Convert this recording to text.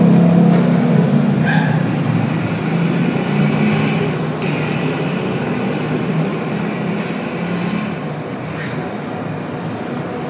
หุ้มค่ะ